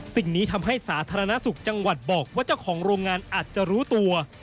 สิ่งนี้ทำให้สาธารณสุขจังหวัดบอกว่าเจ้าของโรงงานอาจจะรู้ตัว